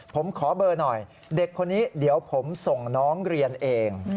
ผมขอเบอร์หน่อยเด็กคนนี้เดี๋ยวผมส่งน้องเรียนเอง